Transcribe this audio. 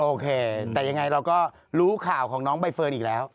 โอเคแต่ยังไงเราก็รู้ข่าวของน้องใบเฟิร์นอีกแล้ว